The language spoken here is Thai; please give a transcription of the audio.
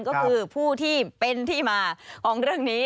ก็คือผู้ที่เป็นที่มาของเรื่องนี้